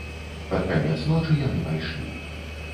Пад канец ночы яны пайшлі.